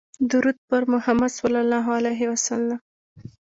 درود په محمدﷺ